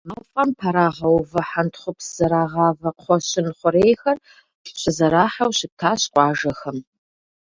Мафӏэм пэрагъэувэ хьэнтхъупс зэрагъавэ кхъуэщын хъурейхэр щызэрахьэу щытащ къуажэхэм.